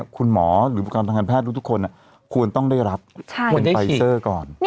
คุณหมอหรืออุปกรณ์ทางการแพทย์ทุกคนควรต้องได้รับบนไฟเซอร์ก่อน